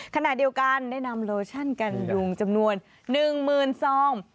ขณะเดียวกันได้นำโลชั่นกันยุงจำนวน๑๐๐๐ซอง